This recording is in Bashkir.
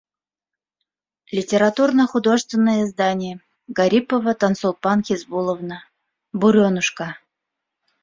Литературно-художественное издание ГАРИПОВА Тансулпан Хизбулловна БУРЕНУШКА